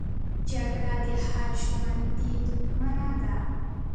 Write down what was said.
جګړه د هر ژوندي دښمنه ده